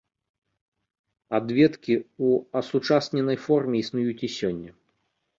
Адведкі ў асучасненай форме існуюць і сёння.